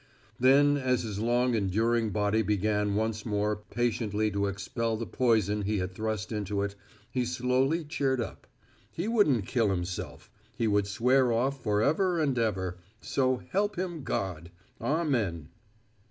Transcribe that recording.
Then as his long enduring body began once more patiently to expel the poison he had thrust into it, he slowly cheered up. He wouldn't kill himself, he would swear off forever and ever, so help him God, amen.